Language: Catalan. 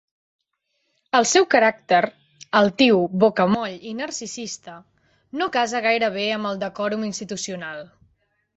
El seu caràcter –altiu, bocamoll i narcisista–no casa gaire bé amb el decòrum institucional.